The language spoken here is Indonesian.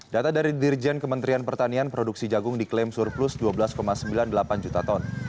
data dari dirjen kementerian pertanian produksi jagung diklaim surplus dua belas sembilan puluh delapan juta ton